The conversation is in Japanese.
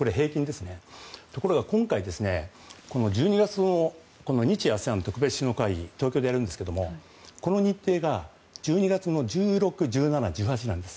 ところが、今回１２月の日ＡＳＥＡＮ特別首脳会議東京でやるんですがこの日程が１２月１６日１７日、１８日なんです。